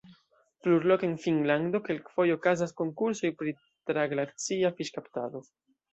Plurloke en Finnlando kelkfoje okazas konkursoj pri traglacia fiŝkaptado.